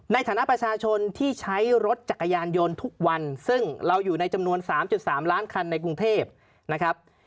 ในฐานะประชาชนที่ใช้รถจักรยานยนต์ทุกวันซึ่งเราอยู่ในจำนวน๓๓ล้านคันในกรุงเทพนะครับ